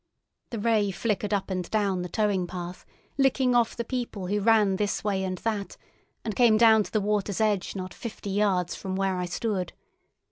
The Ray flickered up and down the towing path, licking off the people who ran this way and that, and came down to the water's edge not fifty yards from where I stood.